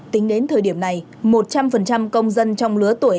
tính đến thời điểm này một trăm linh công dân trong lứa tuổi hai nghìn hai nghìn